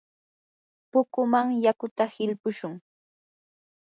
pukuman yakuta hilpushun.